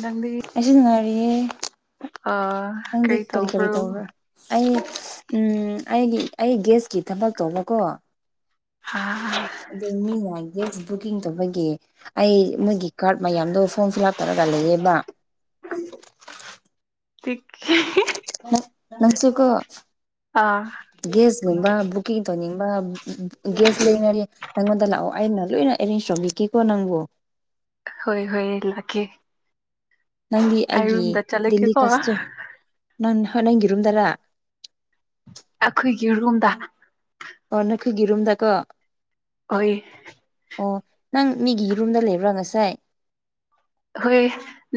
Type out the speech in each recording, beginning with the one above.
ꯅꯪꯗꯤ ꯑꯩꯁꯨ ꯅꯨꯡꯉꯥꯏꯔꯤꯌꯦ ꯑ ꯀꯔꯤ ꯇꯧꯕ꯭ꯔꯣ ꯑꯩ ꯎ ꯑꯩꯒꯤ ꯑꯩ ꯒ꯭ꯦꯁꯀꯤ ꯊꯕꯛ ꯇꯧꯕꯀꯣ ꯍꯥ ꯑꯗꯨꯣ ꯃꯤꯒꯦꯁ ꯕꯨꯀꯤꯡ ꯇꯧꯕꯒꯤ ꯑꯩ ꯃꯣꯏꯒꯤ ꯀꯥꯔꯗ ꯃꯌꯥꯝꯗꯣ ꯐꯣꯔꯝ ꯐꯤꯜ ꯑꯞ ꯇꯧꯔꯒ ꯂꯩꯌꯦꯕ ꯅꯪꯁꯨꯀꯣ ꯑ ꯒꯦꯁꯒꯨꯝꯕ ꯕꯨꯛꯀꯤꯡ ꯇꯧꯅꯤꯡꯕ ꯒꯌꯥꯁ ꯂꯩꯅꯔꯤ ꯅꯪꯉꯣꯟꯗ ꯂꯥꯛꯑꯣ ꯑꯩꯅ ꯂꯣꯏꯅ ꯑꯦꯔꯦꯟꯖ ꯇꯧꯕꯤꯈꯤꯦꯀꯣ ꯅꯪꯕꯨ ꯍꯣꯏ ꯍꯣꯏ ꯂꯥꯛꯀꯦ ꯅꯪꯗꯤ ꯑꯩ ꯑꯩꯒꯤ ꯔꯨꯝꯗ ꯗꯦꯜꯂꯤ ꯆꯠꯂꯒꯦꯀꯣ ꯀꯁꯇ ꯅꯪ ꯍꯣꯏ ꯅꯪꯒꯤ ꯔꯨꯝꯗꯔꯥ ꯑꯩꯈꯣꯏꯒꯤ ꯔꯨꯝꯗ ꯑꯣ ꯅꯈꯣꯏꯒꯤꯔꯨꯝꯗꯀꯣ ꯑꯣꯏ ꯑꯣ ꯅꯪ ꯃꯤꯒꯤ ꯔꯨꯝꯗ ꯂꯩꯕ꯭ꯔꯥ ꯉꯁꯥꯏ ꯍꯣꯏ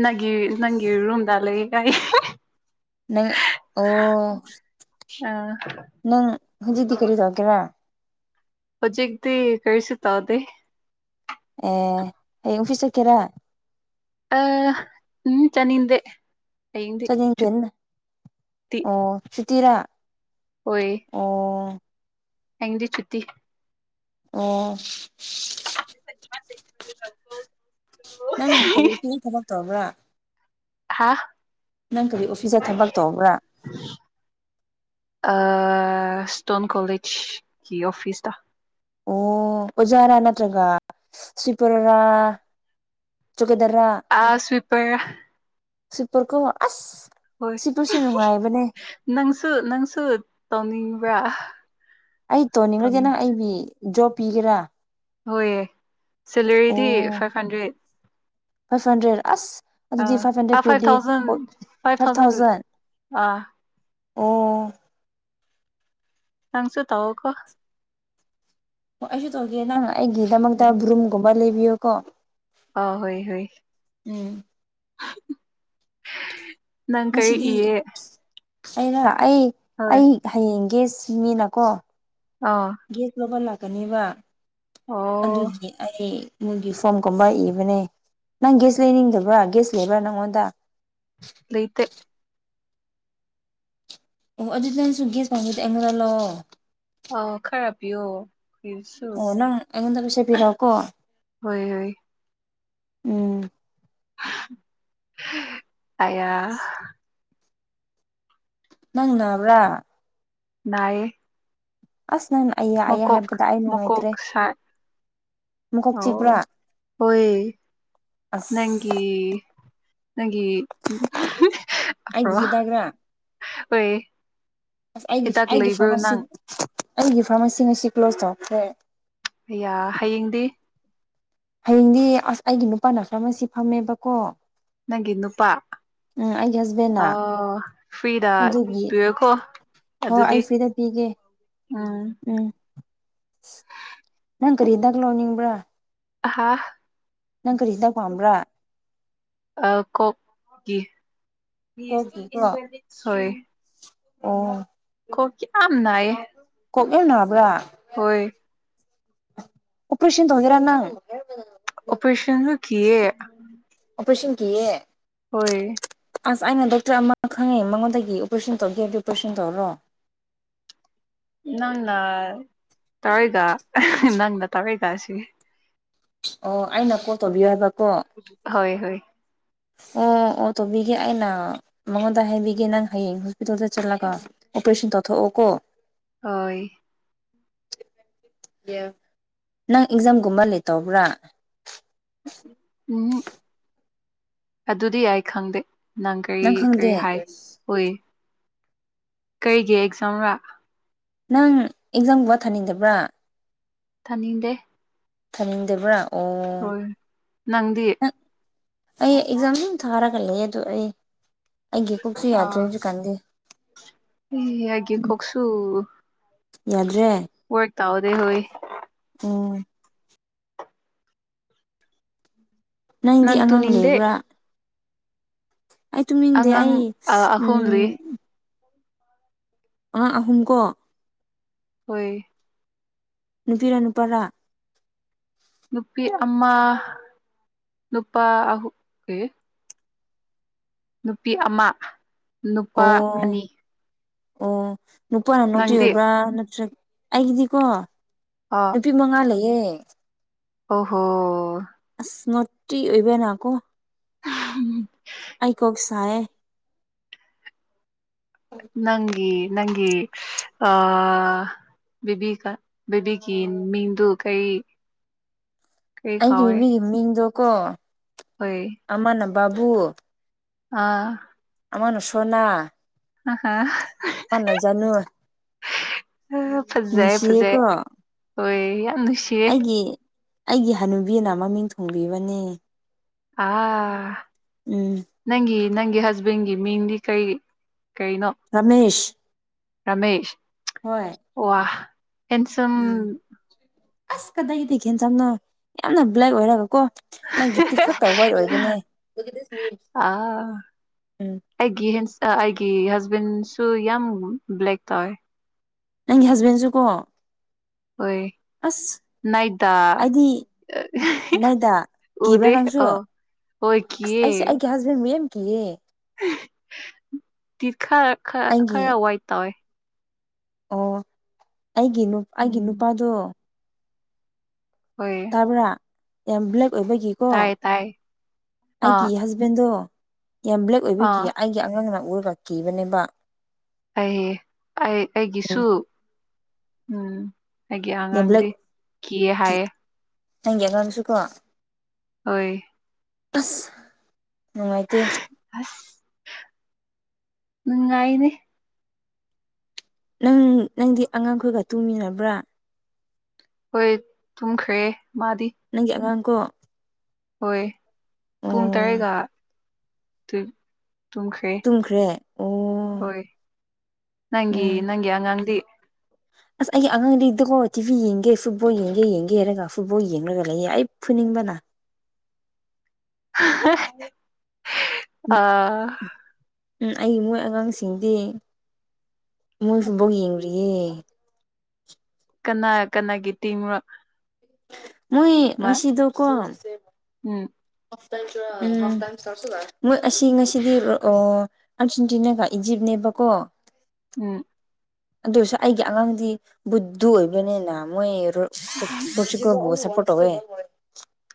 ꯅꯪꯒꯤ ꯅꯪꯒꯤ ꯔꯨꯝꯗ ꯂꯩꯒꯥꯏ ꯅꯪ ꯑꯣ ꯑ ꯅꯪ ꯍꯧꯖꯤꯗꯤ ꯀꯔꯤ ꯆꯧꯒꯦꯔ ꯍꯧꯖꯤꯛꯇꯤ ꯀꯔꯤꯁꯨ ꯇꯥꯎꯗꯦ ꯑꯦ ꯍꯌꯦꯡ ꯑꯣꯐꯤꯁ ꯆꯠꯀꯦꯔꯥ ꯑ ꯎꯝ ꯆꯠꯅꯤꯡꯗꯦ ꯆꯠꯅꯤꯡꯗꯦ ꯑꯣ ꯁꯨꯇꯤꯔꯥ ꯍꯣꯏ ꯑꯣ ꯍꯌꯦꯡꯗꯤ ꯆꯨꯇꯤ ꯑꯣ ꯅꯪ ꯀꯔꯤ ꯎꯁꯇꯤꯒꯤ ꯊꯕꯛ ꯇꯧꯔꯕ꯭ꯔꯥ ꯍꯥꯥ ꯅꯪ ꯀꯔꯤ ꯑꯣꯐꯤꯁꯇ ꯊꯕꯛ ꯇꯧꯕ꯭ꯔꯥ ꯑ ꯏꯁꯇꯣꯟ ꯀꯣꯂꯦꯖꯀꯤ ꯑꯣꯐꯤꯁꯗ ꯑꯣ ꯑꯣꯖꯥꯔꯥ ꯅꯠꯇ꯭ꯔꯒ ꯁ꯭ꯋꯤꯄꯔꯔꯥ ꯆꯨꯒꯦꯗꯔꯥ ꯑꯁ ꯁ꯭ꯋꯤꯄꯔꯔꯥ ꯁ꯭ꯋꯤꯄꯔꯀꯣ ꯑꯁ ꯍꯣꯏ ꯁꯤꯄꯔꯁꯨ ꯅꯨꯡꯉꯥꯏꯕꯅꯦ ꯅꯪꯁꯨ ꯅꯪꯁꯨ ꯇꯧꯅꯤꯡꯕ꯭ꯔꯥ ꯑꯩ ꯇꯣꯟꯅꯤꯡꯔꯒꯦ ꯅꯪ ꯇꯧꯅꯤꯡꯕꯁꯦ ꯑꯩꯒꯤ ꯖꯣꯞ ꯄꯤꯒꯦꯔꯥ ꯍꯣꯏꯌꯦ ꯁꯦꯂꯔꯤꯗꯤ ꯑꯣ ꯐꯥꯏꯚ ꯍꯟꯗ꯭ꯔꯦꯠ ꯐꯥꯏꯚ ꯍꯟꯗ꯭ꯔꯦꯠ ꯑꯁ ꯑꯗꯨꯗꯤ ꯑꯥ ꯐꯥꯏꯚ ꯑꯥ ꯍꯟꯗ꯭ꯔꯦꯠ ꯄꯤꯔꯗꯤ ꯊꯥꯎꯖꯟ ꯑꯣ ꯐꯥꯏꯚ ꯊꯥꯎꯖꯟ ꯑꯥ ꯑꯣ ꯅꯪꯁꯨ ꯇꯥꯎꯀꯣ ꯑꯣ ꯑꯩꯁꯨ ꯇꯧꯒꯦ ꯅꯪ ꯑꯩꯒꯤꯗꯃꯛꯇ ꯕꯔꯨꯝꯒꯨꯝꯕ ꯂꯩꯕꯤꯌꯨꯀꯣ ꯑꯎ ꯍꯣꯏ ꯍꯣꯏ ꯎꯝ ꯅꯪ ꯀꯔꯤ ꯉꯁꯤꯗꯤ ꯏꯌꯦ ꯑꯩꯅ ꯑꯩ ꯍꯣꯏ ꯑꯩ ꯍꯌꯦꯡ ꯒꯦꯁꯀꯤ ꯃꯤꯅꯀꯣ ꯑꯣ ꯒꯦꯁ ꯂꯧꯕ ꯂꯥꯛꯀꯅꯦꯕ ꯑꯣ ꯑꯗꯨꯒꯤ ꯑꯩ ꯅꯣꯏꯒꯤ ꯐꯣꯝ ꯀꯨꯝꯕ ꯏꯕꯅꯦ ꯅꯪ ꯒꯦꯁ ꯂꯩꯅꯤꯡꯗꯕ꯭ꯔꯥ ꯒꯦꯁ ꯂꯩꯕ꯭ꯔꯥ ꯅꯪꯉꯣꯟꯗ ꯂꯩꯇꯦ ꯑꯣ ꯑꯗꯨꯗ ꯅꯪꯁꯨ ꯒꯦꯁ ꯄꯥꯝꯃꯗꯤ ꯑꯩꯉꯣꯟꯗꯥ ꯂꯧꯋꯑꯣ ꯑ ꯈꯔ ꯄꯤꯌꯣ ꯏꯁ ꯑꯣ ꯅꯪ ꯑꯩꯉꯣꯟꯗ ꯄꯩꯁꯦ ꯄꯤꯔꯎꯀꯣ ꯍꯣꯏ ꯍꯣꯏ ꯎꯝ ꯍ [unintelligible] ꯑꯌꯥ ꯅꯪ ꯅꯥꯕ꯭ꯔꯥ ꯅꯥꯏꯌꯦ ꯑꯁ ꯅꯪꯅ ꯑꯌꯦ ꯃꯀꯣꯛ ꯃꯀꯣꯛ ꯁꯥꯥꯏ ꯃꯀꯣꯛ ꯑꯣꯣ ꯆꯤꯛꯄ꯭ꯔꯥ ꯍꯣꯏ ꯑꯁ ꯅꯪꯒꯤ ꯅꯪꯒꯤ ꯑꯩꯒꯤ ꯍꯤꯗꯥꯛꯔꯥ [unintelligible] ꯍꯣꯏ꯫ ꯑꯁ ꯑꯩꯒꯤ ꯍꯤꯗꯥꯛ ꯑꯩꯒꯤ ꯂꯩꯕ꯭ꯔꯣ ꯐꯥꯔꯃꯥꯁꯤ ꯅꯪ ꯑꯩꯒꯤ ꯐꯥꯔꯃꯥꯁꯤ ꯉꯁꯤ ꯀ꯭ꯂꯣꯖ ꯇꯧꯔꯈ꯭ꯔꯦ ꯑꯌꯥ ꯍꯌꯦꯡꯗꯤ ꯍꯌꯦꯡꯗꯤ ꯑꯁ ꯑꯩꯒꯤ ꯅꯨꯄꯥꯅ ꯐꯥꯔꯃꯥꯁꯤ ꯐꯝꯃꯦꯕꯀꯣ ꯅꯪꯒꯤ ꯅꯨꯄꯥ ꯎꯝ ꯑꯩꯒꯤ ꯍꯁꯕꯦꯟꯗ ꯑ ꯐꯤꯗꯥꯥ ꯇꯨꯌꯦꯀꯣ ꯍꯣꯏ ꯑꯩ ꯐ꯭ꯔꯤꯗ ꯄꯤꯒꯦ ꯎꯝ ꯅꯪ ꯀꯔꯤꯍꯤꯗꯥꯛ ꯂꯣꯏꯅꯤꯡꯕ꯭ꯔꯥ ꯑꯍꯥ ꯅꯪ ꯀꯔꯤ ꯍꯤꯗꯥꯛ ꯄꯥꯝꯕ꯭ꯔꯥ ꯑ ꯀꯣꯛꯀꯤ ꯀꯣꯛꯀꯤꯀꯣ ꯍꯣꯏ ꯑꯣ ꯀꯣꯛꯇꯥꯡꯕ ꯌꯥꯝ ꯅꯥꯏꯌꯦ ꯀꯣꯛ ꯌꯝꯅꯥꯕ꯭ꯔꯥ ꯍꯣꯏ ꯑꯣꯄꯔꯦꯁꯟ ꯊꯣꯡꯒꯦꯔ ꯅꯪ ꯑꯣꯄꯔꯦꯁꯟꯁꯨ ꯀꯤꯑꯦ ꯑꯣꯄꯔꯦꯁꯟ ꯀꯤꯑꯦ ꯍꯣꯏ ꯑꯁ ꯑꯩꯅ ꯗꯣꯛꯇꯔ ꯑꯃ ꯈꯪꯉꯦ ꯃꯉꯣꯟꯗꯒꯤ ꯑꯣꯄꯔꯦꯁꯟ ꯇꯧꯒꯦ ꯍꯥꯏꯕꯗꯤ ꯑꯣꯄꯔꯦꯁꯟ ꯇꯧꯔꯣ ꯅꯪꯅ ꯇꯔꯦꯒ ꯅꯪꯅ ꯇꯔꯦꯒꯁꯤ ꯑꯣ ꯑꯩꯅ ꯀꯣꯜ ꯇꯧꯕꯤꯌꯨ ꯍꯥꯏꯕꯀꯣ ꯍꯣꯏ ꯍꯣꯏ ꯑꯣ ꯑꯣ ꯇꯧꯕꯤꯒꯦ ꯑꯩꯅ ꯃꯉꯣꯟꯗ ꯍꯥꯏꯕꯤꯒꯦ ꯅꯪ ꯍꯌꯦꯡ ꯍꯣꯁꯄꯤꯇꯥꯜꯗ ꯆꯠꯂꯒ ꯑꯣꯄꯔꯦꯁꯟ ꯇꯧꯊꯣꯛꯑꯣ ꯀꯣ ꯍꯣꯏ ꯅꯪ ꯑꯦꯛꯖꯥꯝꯒꯨꯝꯕ ꯂꯤꯠ ꯇꯧꯕ꯭ꯔꯥ ꯎꯝꯍꯨꯛ ꯑꯗꯨꯗꯤ ꯑꯩ ꯈꯪꯗꯦ ꯅꯪ ꯀꯔꯤ ꯀꯔꯤ ꯍꯥꯏ ꯑꯣꯏ ꯀꯩꯒꯤ ꯑꯦꯛꯖꯥꯝꯔꯥ ꯅꯪ ꯑꯦꯛꯖꯥꯝꯒꯨꯝꯕ ꯊꯥꯅꯤꯡꯗꯕ꯭ꯔꯥ ꯊꯥꯅꯤꯡꯗꯦ ꯊꯥꯅꯤꯡꯗꯕ꯭ꯔꯥ ꯑꯣ ꯍꯣꯏ ꯅꯪꯗꯤ ꯅꯪ ꯑꯩ ꯑꯦꯛꯖꯥꯝꯗꯨꯝ ꯊꯥꯔꯒ ꯂꯩꯌꯦ ꯑꯗꯨꯗ ꯑꯩ ꯑꯩꯒꯤ ꯀꯣꯛꯁꯦ ꯌꯥꯗ꯭ꯔꯦ ꯍꯧꯖꯤꯛꯀꯥꯟꯗꯤ ꯑꯦ ꯑꯩꯒꯤ ꯀꯣꯛꯁꯨ ꯌꯥꯗꯔꯦ [unintelligible] ꯑꯣ ꯅꯪꯗꯤ ꯅꯪ ꯑꯉꯥꯡ ꯇꯨꯅꯤꯡꯗꯦ ꯂꯩꯕ꯭ꯔꯥ ꯑꯩ ꯇꯨꯝꯅꯤꯡꯗꯦ ꯑꯩ ꯑꯉꯥꯡ ꯑꯥ ꯑꯍꯨꯝ ꯎꯝ ꯂꯩ ꯑꯉꯥꯡ ꯑꯍꯨꯝꯀꯣ ꯍꯣꯏ ꯅꯨꯄꯤꯔ ꯅꯨꯄꯥꯔꯥ ꯅꯨꯄꯤ ꯑꯃ ꯅꯨꯄꯥ ꯑꯍꯨ ꯑꯦ ꯅꯨꯄꯤ ꯑꯃ ꯅꯨꯄꯥ ꯑꯣ ꯑꯅꯤ ꯑꯣ ꯅꯨꯄꯥꯅ ꯅꯣꯇꯤ ꯅꯪꯗꯤ ꯑꯣꯏꯕ꯭ꯔꯥ ꯅꯠꯇ꯭ꯔꯒ ꯑꯩꯒꯤꯗꯤꯀꯣ ꯑꯥ ꯅꯨꯄꯤ ꯃꯉꯥ ꯂꯩꯌꯦ ꯑꯣ ꯍꯣ ꯏꯁ ꯅꯣꯇꯤ ꯑꯣꯏꯕꯅꯀꯣ ꯎꯝ ꯑꯩ ꯀꯣꯛꯁꯦ ꯁꯥꯏꯑꯦ ꯅꯪꯒꯤ ꯅꯪꯒꯤ ꯑꯥ ꯕꯤꯕꯤ ꯀ ꯕꯤꯕꯤꯒꯤ ꯃꯤꯡꯗꯨ ꯀꯩ ꯑꯩꯒꯤ ꯕꯤꯕꯤꯒꯤ ꯃꯤꯡꯗꯣꯀꯣ ꯍꯣꯏ ꯑꯃꯅ ꯕꯥꯕꯨ ꯑꯥ ꯑꯃꯅ ꯁꯣꯅꯥ ꯑ ꯍ ꯑꯃꯅ ꯖꯥꯅꯨ ꯑ ꯐꯖꯩ ꯐꯖꯩ ꯅꯨꯡꯁꯤꯌꯦꯀꯣ ꯍꯣꯏ ꯌꯥꯝ ꯅꯨꯡꯁꯤ ꯑꯩꯒꯤ ꯑꯩꯒꯤ ꯍꯅꯨꯕꯤꯅ ꯃꯃꯤꯡ ꯊꯣꯡꯕꯤꯕꯅꯦ ꯑꯥ ꯎꯝ ꯅꯪꯒꯤ ꯅꯪꯒꯤ ꯍꯁꯕꯦꯟꯒꯤ ꯃꯤꯡꯗꯤ ꯀꯔꯤ ꯀꯩꯅꯣ ꯔꯥꯃꯦꯁ ꯔꯥꯃꯦꯁ ꯍꯣꯏ ꯋꯥ ꯍꯦꯟꯁꯝ ꯎꯝ ꯑꯁ ꯀꯗꯥꯏꯗꯒꯤ ꯍꯦꯟꯁꯝꯅꯣ ꯌꯥꯝꯅ ꯕ꯭ꯂꯦꯛ ꯑꯣꯏꯔꯒ ꯀꯣ ꯃꯥꯒꯤ ꯇꯤꯠ ꯈꯛꯇ ꯇꯧꯕꯩ ꯑꯣꯏꯕꯅꯦ ꯑꯥ ꯎꯝ ꯑꯩꯒꯤ ꯍꯦꯟꯁ ꯑ ꯑꯩꯒꯤ ꯍꯁꯕꯦꯟꯁꯨ ꯌꯥꯝ ꯕ꯭ꯂꯦꯛ ꯇꯧꯋꯦ ꯅꯪꯒꯤ ꯍꯁꯕꯦꯟꯖꯨꯀꯣ ꯍꯣꯏ ꯅꯥꯏꯗꯥ ꯑꯩꯗꯤ ꯅꯣꯏꯗ ꯀꯤꯕ꯭ꯔꯥ ꯎꯗꯦ ꯅꯪꯁꯨ ꯑꯣ ꯍꯣꯏ ꯑꯁ ꯀꯤꯌꯦ ꯑꯩꯁꯨ ꯑꯩꯒꯤ ꯌꯥꯁꯕꯦꯟꯕꯨ ꯌꯥꯝ ꯀꯤꯌꯦ ꯈ ꯑꯩꯒꯤ ꯈꯔ ꯋꯥꯏꯠ ꯇꯧꯋꯦ ꯑꯣ ꯑꯩꯒꯤ ꯅꯨ ꯑꯩꯒꯤ ꯎꯝ ꯅꯨꯄꯥꯗꯣ ꯍꯣꯏ ꯇꯥꯕ꯭ꯔꯥ ꯌꯥꯝ ꯕ꯭ꯂꯦꯛ ꯑꯣꯏꯕꯒꯤꯀꯣ ꯇꯥꯏꯌꯦ ꯇꯥꯏꯌꯦ ꯑꯥ ꯑꯩꯀꯤ ꯍꯁ ꯕꯦꯟꯗꯣ ꯌꯥꯝ ꯕ꯭ꯂꯦꯛ ꯑꯣꯏꯕꯒꯤ ꯑꯥ ꯑꯩꯒꯤ ꯑꯉꯥꯡꯅ ꯎꯔꯒ ꯀꯤꯕꯅꯦꯕ ꯑꯩ ꯑꯩ ꯎꯝ ꯑꯩꯒꯤꯁꯨ ꯎꯝ ꯑꯩꯒꯤ ꯑꯉꯥꯡꯗꯤ ꯌꯥꯝꯂꯛꯀꯤ ꯀꯤꯌꯦ ꯍꯥꯏꯌꯦ ꯅꯪꯒꯤ ꯑꯉꯥꯡꯁꯨꯨ ꯀꯣ ꯍꯣꯏ ꯑꯁ ꯅꯨꯡꯉꯥꯏꯇꯦ ꯑꯁ ꯅꯨꯡꯉꯥꯏꯅꯦ ꯅꯪ ꯅꯪꯒꯤ ꯑꯉꯥꯡꯈꯣꯏꯒ ꯇꯨꯃꯤꯟꯅꯕ꯭ꯔꯥ ꯍꯣꯏ ꯇꯨꯝꯈ꯭ꯔꯦ ꯃꯥꯗꯤ ꯅꯪꯒꯤ ꯑꯉꯥꯡꯀꯣ ꯍꯣꯏ ꯄꯨꯡ ꯑꯣ ꯇꯔꯦꯒ ꯗꯨꯏ ꯇꯨꯝꯈ꯭ꯔꯦ ꯇꯨꯝꯈ꯭ꯔꯦ ꯑꯣ ꯍꯣꯏ ꯅꯪꯒꯤ ꯎꯝ ꯅꯪꯒꯤ ꯑꯉꯥꯡꯗꯤ ꯑꯁ ꯑꯩꯒꯤ ꯑꯉꯥꯡꯗꯤꯗꯨꯀꯣ ꯇꯤꯚꯤ ꯌꯦꯡꯒꯦ ꯐꯨꯠꯕꯣꯜ ꯌꯦꯡꯒꯦ ꯌꯦꯡꯒꯦ ꯍꯥꯏꯔꯒ ꯐꯨꯠꯕꯣꯜ ꯌꯦꯡꯂꯒ ꯂꯩꯌꯦ ꯑꯩ ꯐꯨꯅꯤꯡꯕꯅꯥ ꯑꯥ ꯎꯝ ꯑꯩ ꯃꯣꯏ ꯑꯉꯥꯡꯁꯤꯡꯗꯤ ꯃꯣꯏꯁꯨꯕꯥꯎ ꯌꯦꯡꯔꯤꯌꯦ ꯀꯅꯥ ꯀꯅꯥꯒꯤ ꯇꯤꯝꯔꯥ ꯃꯣꯏ ꯉꯁꯤꯗꯣꯀꯣ ꯎꯝ ꯎꯝ ꯃꯣꯏ ꯑꯁꯤ ꯉꯁꯤꯒꯤ ꯑꯣ ꯑꯔꯖꯦꯟꯇꯤꯅꯥꯒ ꯏꯖꯤꯞꯅꯦꯕꯀꯣ ꯎꯝ ꯑꯗꯨ ꯑꯣꯏꯔꯁꯨ ꯑꯩꯒꯤ ꯑꯉꯥꯡꯗꯤ ꯕꯨꯗꯨ ꯑꯣꯏꯕꯅꯤꯅ ꯃꯣꯏ ꯔꯣ ꯄꯨ ꯄꯣꯔꯇꯨꯒꯟꯕꯨ ꯁꯄꯣꯠ ꯇꯧꯋꯦ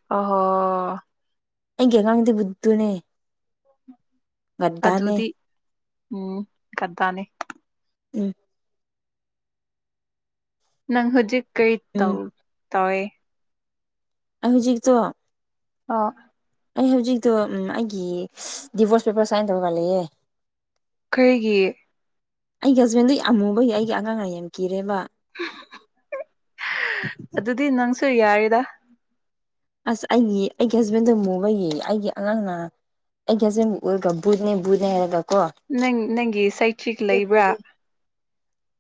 ꯑ ꯍꯣ ꯑꯩ ꯉꯥꯡꯗꯤ ꯕꯨꯗꯨꯨꯅꯦ ꯑꯗꯨꯗꯤ ꯎꯝ ꯀꯗꯥꯅꯤ ꯎꯝ ꯅꯪ ꯍꯨꯖꯤꯛ ꯀꯩ ꯎꯝ ꯇꯎ ꯇꯋꯦ ꯑꯩ ꯍꯧꯖꯤꯛꯇꯣ ꯑ ꯑꯩ ꯍꯧꯖꯤꯛꯇꯣ ꯑꯩꯒꯤ ꯗꯤꯚꯣꯔꯁ ꯄꯦꯄꯔ ꯁꯥꯏꯟ ꯇꯧꯍꯜꯂꯤꯌꯦ ꯀꯩꯒꯤ ꯑꯩꯒꯤ ꯍꯁꯕꯦꯟꯗꯨ ꯌꯥꯝ ꯑꯃꯨꯕꯒꯤ ꯑꯩꯒꯤ ꯑꯉꯥꯡꯅ ꯌꯥꯝ ꯀꯤꯔꯦꯕ ꯑꯗꯨꯗꯤ ꯅꯪꯁꯨ ꯌꯥꯏꯑꯗ ꯑꯁ ꯑꯩꯒꯤ ꯑꯩꯒꯤ ꯍꯁꯕꯦꯟꯗꯣ ꯃꯨꯕꯒꯤ ꯑꯩꯒꯤ ꯑꯉꯥꯡꯅ ꯑꯦꯒꯤꯌꯥꯁ ꯎꯔꯒ ꯕꯨꯖꯅꯤ ꯕꯨꯖꯅꯤ ꯑꯦꯔꯒ ꯀꯣ ꯅꯪ ꯅꯪꯒꯤ ꯁꯩꯊ꯭ꯛ ꯂꯩꯕ꯭ꯔꯥ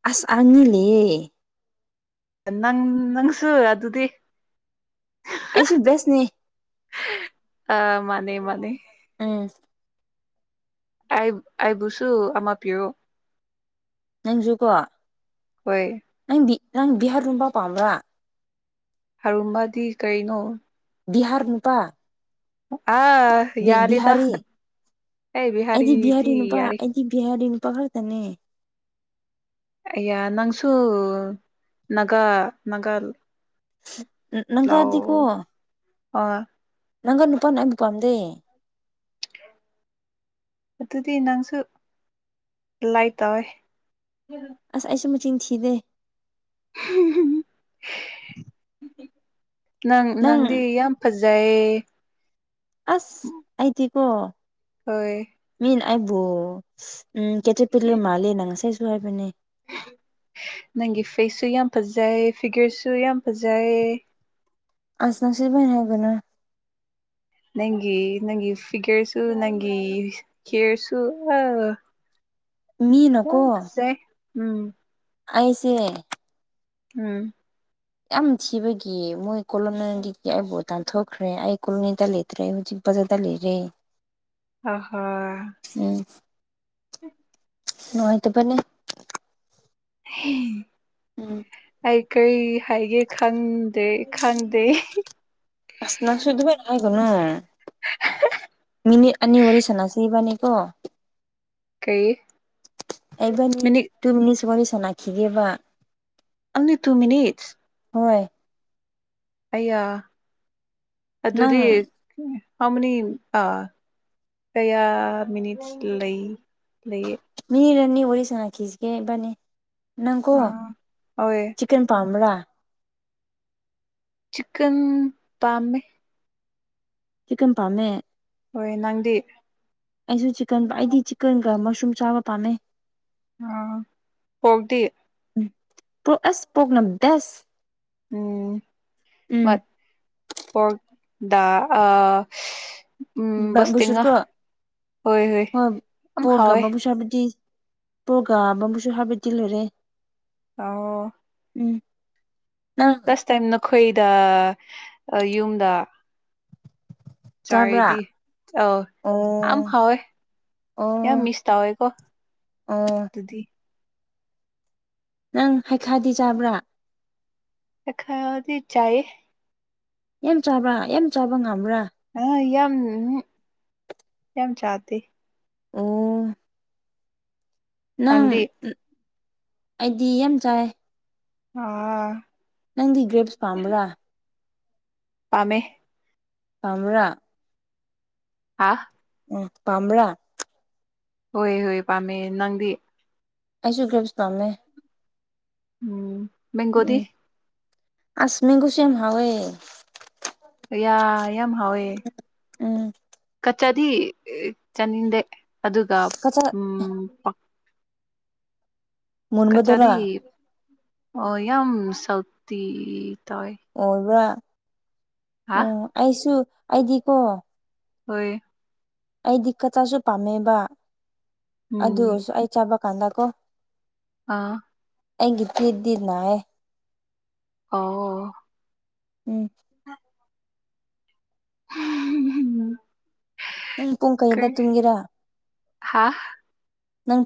ꯑꯁ ꯑꯅꯤꯂ ꯅꯪ ꯅꯪꯁꯨ ꯑꯗꯨꯗꯤ ꯑꯩꯁꯨ ꯕꯦꯁꯅꯦ ꯑ ꯃꯥꯅꯦ ꯃꯥꯅꯦ ꯎꯝ ꯑ ꯑꯥꯏꯕꯨꯁꯨꯨ ꯑꯃ ꯄꯤ ꯅꯪꯁꯨꯨꯀꯣ ꯍꯣꯏ ꯅꯪ ꯅꯪ ꯕꯤꯍꯥꯔ ꯂꯣꯟ ꯄ ꯄꯥꯝꯕ꯭ꯔꯥ ꯍꯔꯨꯝꯕꯗꯤ ꯀꯩꯅꯣ ꯕꯤꯍꯔ ꯅꯨꯄꯥ ꯑꯥ ꯕꯤ ꯌꯥꯔꯤꯗ ꯕꯤꯍꯥꯔꯤ ꯑꯦ ꯕꯤꯍꯥꯔꯤꯗꯤ ꯌꯥꯔꯤ ꯀ ꯕꯤꯍꯗꯤꯟ ꯄꯥꯔ ꯇꯅꯦ ꯑꯌꯥ ꯅꯪꯁꯨ ꯅꯥꯒꯥ ꯅꯥꯒꯥ ꯂꯑꯣ ꯅꯪꯒꯥꯗꯤꯀꯣ ꯑ ꯅꯪꯔ ꯅꯨ ꯄꯥꯎ ꯅ ꯑꯕꯨ ꯄꯥꯝꯗꯦ ꯑꯗꯨꯗꯤ ꯅꯪꯁꯨ ꯂꯥꯏ ꯇꯧꯋꯦ ꯑꯁ ꯑꯩꯁꯨ ꯃꯆꯤꯡ ꯊꯤꯗꯦ ꯍꯣꯏ ꯎ ꯅꯪ ꯅꯪꯗꯤ ꯌꯥꯝ ꯐꯖꯩꯌꯦ ꯑꯁ ꯑꯩꯗꯤꯀꯣ ꯍꯣꯏ ꯃꯤ ꯑꯩꯕꯨ ꯎꯝ ꯀꯦꯇ꯭ꯔ ꯄꯤꯂ ꯃꯥꯂꯦ ꯅꯪ ꯉꯁꯥꯏꯁꯨ ꯍꯥꯏꯕꯅꯦ ꯅꯪꯒꯤ ꯐꯦꯁꯁꯨ ꯌꯥꯝ ꯐꯖꯩ ꯐꯤꯒꯔꯁꯨ ꯌꯥꯝ ꯐꯖꯩ ꯑꯁ ꯅꯪꯁꯤ ꯅ ꯍꯥꯏꯕꯅ ꯅꯪꯒꯤ ꯅꯪꯒꯤ ꯐꯤꯒꯔꯁꯨ ꯅꯪꯒꯤ ꯀꯦꯔꯁꯨ ꯑ ꯃꯤꯅꯀꯣ ꯌꯥꯁꯦ ꯎꯝ ꯑꯩꯁꯦ ꯎꯝ ꯌꯥꯝ ꯊꯤꯕꯒꯤ ꯃꯣꯏ ꯀꯣꯂꯣꯅꯤꯗꯒꯤ ꯑꯩꯕꯨ ꯇꯥꯟꯊꯣꯛꯈ꯭ꯔꯦ ꯑꯩ ꯀꯣꯂꯣꯅꯤꯗꯇ ꯅꯠꯇ꯭ꯔꯦ ꯍꯧꯖꯤꯛ ꯕꯖꯥꯗ ꯂꯩꯔꯦ ꯑꯍꯣ ꯎꯝ ꯅꯨꯡꯉꯥꯏꯇ ꯐꯅꯦ [inaudible] ꯎꯝ ꯑꯩ ꯀꯔꯤ ꯍꯥꯏꯒꯦ ꯈꯪꯗꯦ ꯈꯪꯗꯦ ꯁꯅꯁꯨꯏꯗꯕ ꯂꯒꯣꯅꯣ ꯃꯤꯅꯤꯠ ꯑꯅꯤ ꯋꯥꯔꯤ ꯁꯅꯁꯤꯕꯅꯤꯀꯣ ꯀꯩ ꯑꯩꯕꯅꯤ ꯇꯨ ꯃꯤꯅꯤꯠꯁ ꯋꯥꯔꯤ ꯁꯥꯟꯅꯈꯤꯒꯦꯕ ꯑꯣꯟꯂꯤ ꯇꯨ ꯃꯤꯅꯤꯠꯁ ꯍꯣꯏ ꯑꯌꯥ ꯅꯪ ꯑꯗꯨꯗꯤ ꯑꯃꯅꯤ ꯑꯥ ꯀꯌꯥ ꯃꯤꯅꯤꯠꯁ ꯂꯩ ꯂꯩꯌꯦ ꯃꯤꯔꯅꯤ ꯑꯣꯔꯤꯁꯅ ꯈꯤꯁꯦ ꯅꯤ ꯅꯪ ꯀꯣ ꯆꯤꯛꯦꯟ ꯄꯥꯝ ꯆꯛꯟ ꯄꯃꯦ꯫ ꯆꯤꯛꯀꯟ ꯄꯥꯝꯃꯦ ꯍꯣꯏ ꯅꯪꯗꯤ ꯑꯩꯁꯨ ꯆꯤꯛꯀꯟ ꯑꯩꯗꯤ꯫ ꯀ ꯀ ꯃꯁꯔꯨꯝꯝ ꯆꯥꯕ ꯄꯥꯃꯦ꯫ ꯑ ꯍꯗꯤ꯫ ꯎꯝ ꯄꯣꯛ ꯑꯁ ꯄꯣꯛꯅ ꯕꯦꯁ ꯎꯝ ꯎꯝ ꯃ ꯄꯗꯥ ꯑ ꯕꯨꯁꯨꯔꯀꯣ ꯍꯣꯏ ꯌꯥꯝ ꯍꯥꯎꯋꯦ ꯄꯣꯔꯒꯝꯕꯕꯨꯁꯥꯃꯗꯤ꯫ ꯄ꯭ꯔꯣꯒꯥꯝ ꯑꯃꯁꯨ ꯍꯥꯐꯦ ꯇꯤꯜꯂꯨꯔꯦ꯫ ꯑꯣꯥꯎ ꯎꯝ ꯇꯥꯏꯝ ꯅꯈꯣꯏꯗ ꯌꯨꯝꯗ ꯆꯥꯕ꯭ꯔꯥ ꯆꯥꯔꯤꯗꯤ ꯑ ꯌꯥꯝ ꯑꯣ ꯍꯥꯎꯋꯦ ꯌꯥꯝ ꯑꯣ ꯃꯤꯁ ꯇꯧꯋꯦꯀꯣ ꯑꯣ ꯑꯗꯨꯗꯤ ꯅꯪ ꯍꯥꯏꯩꯈꯥꯗꯤ ꯆꯥꯕ꯭ꯔꯥ ꯊꯗꯤ ꯆꯌꯦ꯫ ꯌꯥꯝ ꯆꯥꯕꯥ ꯌꯥꯝ ꯆꯥꯕ ꯉꯝꯕ꯭ꯔꯥ ꯑ ꯌꯥꯝ ꯌꯥꯝ ꯆꯥꯇ꯫ ꯑꯣ ꯅꯪ ꯅꯪꯗꯤ ꯑꯩꯗꯤ ꯌꯥꯝ ꯆꯥꯏ ꯑꯣ ꯅꯪꯗꯤ ꯒ꯭ꯔꯦꯞꯁ ꯄꯥꯝꯕ꯭ꯔꯥ ꯄꯥꯃꯦ꯫ ꯄꯥꯝꯕꯔꯥ ꯍꯥꯥ ꯎꯝ ꯄꯝ꯭ꯔꯥ ꯍꯣꯏ ꯍꯣꯏ ꯄꯥꯝꯃꯦ ꯅꯪꯗꯤ꯫ ꯑꯩꯁꯨ ꯒ꯭ꯔꯦꯞꯁ ꯄꯥꯝꯃꯦ꯫ ꯎꯝ ꯃꯒꯣꯗꯤ꯫ ꯑꯁꯃꯤꯒꯨꯁꯦꯝ ꯍꯋꯦ꯫ ꯌꯥ ꯌꯥꯝ ꯍꯥꯎꯋꯦ ꯎꯝ ꯀꯆꯥꯗꯤ ꯆꯥꯅꯤꯡꯗꯦ꯫ ꯑꯗꯨꯒ ꯀꯆꯥ ꯎꯝ ꯃꯨꯟꯕꯗꯨꯔꯥ ꯀꯆꯔꯤ ꯌꯥꯝ ꯁꯇ ꯇꯥꯏ꯫ ꯑꯣꯏꯕ꯭ꯔꯥ ꯍꯥ ꯎꯝ ꯑꯩꯁꯨ ꯑꯗꯤꯀꯣ ꯍꯣꯏ ꯑꯩꯗꯤ ꯀꯆꯥꯁꯨ ꯄꯥꯝꯃꯦꯕ ꯑꯗꯨ ꯎꯝ ꯑꯣꯏꯔꯁꯨ ꯑꯩ ꯆꯥꯕ ꯀꯥꯟꯗ ꯀꯣ ꯑꯥ ꯍꯤ ꯇꯗꯗꯅꯥꯑꯦ꯫ ꯑꯣ ꯎꯝ [inaudible] ꯎꯪ ꯄꯨꯡ ꯀꯩꯗ ꯇꯨꯡꯒꯤꯦꯔꯥ ꯍꯥꯥ ꯅꯪ